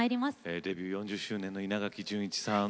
デビュー４０周年の稲垣潤一さん